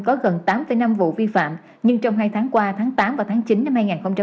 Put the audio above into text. có gần tám năm vụ vi phạm nhưng trong hai tháng qua tháng tám và tháng chín năm hai nghìn hai mươi ba